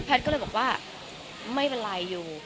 ก็เลยบอกว่าไม่เป็นไรอยู่